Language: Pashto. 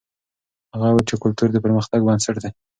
هغه وویل چې کلتور د پرمختګ بنسټ دی.